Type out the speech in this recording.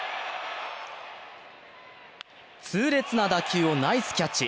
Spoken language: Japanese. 痛烈な打球をナイスキャッチ。